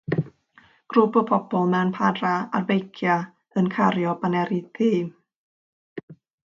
Grŵp o bobl mewn parau ar feiciau yn cario baneri du.